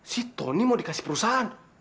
si tony mau dikasih perusahaan